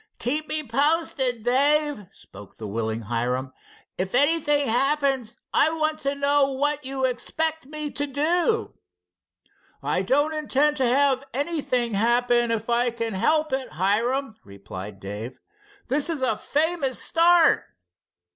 "Keep me posted, Dave," spoke the willing Hiram. "If anything happens I want to know what you expect me to do." "I don't intend to have anything happen if I can help it, Hiram," replied Dave. "This is a famous start."